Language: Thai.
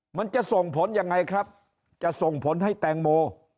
มันจะส่งผลยังไงครับจะส่งผลให้แตงโม